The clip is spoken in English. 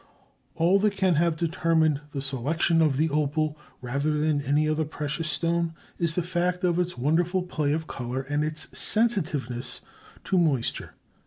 All that can have determined the selection of the opal rather than any other precious stone is the fact of its wonderful play of color and its sensitiveness to moisture.